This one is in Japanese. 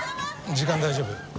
時間大丈夫？